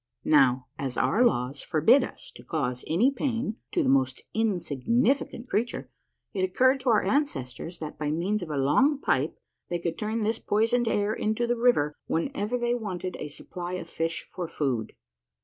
Now, as our laws forbid us to cause any pain to the most insignificant creature, it occurred to our ancestors that by means of a long pipe they could turn this poisoned air into the river whenever they wanted a supply of fish for food.